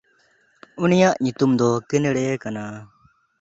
ᱩᱱᱤᱭᱟᱜ ᱧᱩᱛᱩᱢ ᱫᱚ ᱠᱤᱱᱲᱮᱭ ᱠᱟᱱᱟ᱾